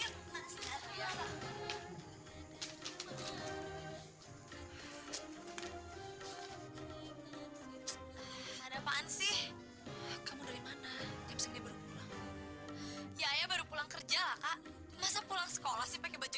ada apaan sih kamu dari mana ya baru pulang kerja lah masa pulang sekolah sih pakai baju